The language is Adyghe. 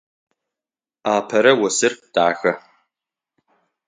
Апэрэ осыр дахэ.